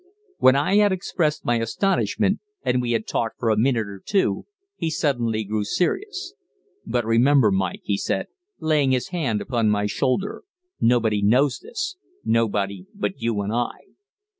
When I had expressed my astonishment, and we had talked for a minute or two, he suddenly grew serious. "But remember, Mike," he said, laying his hand upon my shoulder, "nobody knows this nobody but you and I.